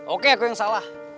oke aku yang salah